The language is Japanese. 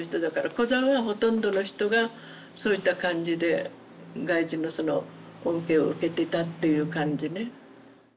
コザはほとんどの人がそういった感じで外人の恩恵を受けてたっていう感じね。